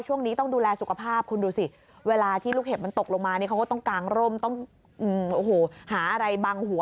ช่วงนี้ต้องดูแลสุขภาพคุณดูสิ